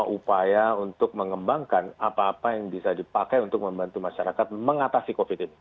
upaya untuk mengembangkan apa apa yang bisa dipakai untuk membantu masyarakat mengatasi covid ini